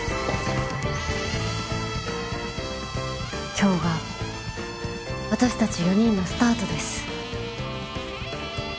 今日が私たち４人のスタートです。